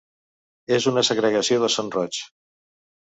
És una segregació de Son Roig.